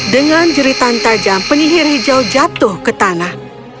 dengan jeritan tajam penyihir hijau jatuh ke tanah